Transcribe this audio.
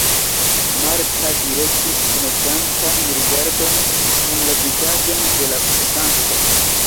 Marta direktis penetrantan rigardon en la vizaĝon de la pasanto.